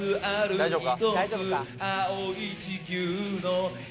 大丈夫か？